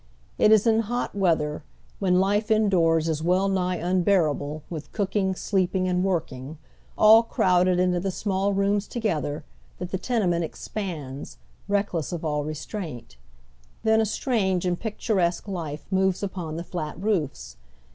It is in hot weather, when life indoors is well nigh unhearable with cooking, sleeping, and working, all crowded into the small rooms together, that the tenement expands, reckless of all restraint. Than a strange and picturesque life moves upon the flat roofs.